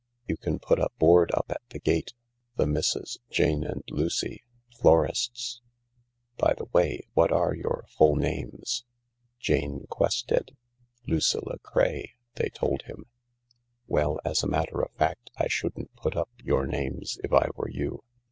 You can put a board up at the gate :' The Misses Jane and Lucy, Florists/ By the way, what are your full names ?"" Jane Quested— Lucilla Craye," they told him. " Well, as a matter of fact, I shouldn't put up your names if I were you.